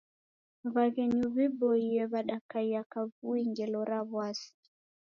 W'aghenyu w'iboie w'adakaia kavui ngelo ra w'asi.